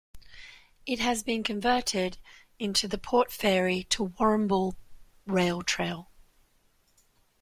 It has been converted into the Port Fairy to Warrnambool Rail Trail.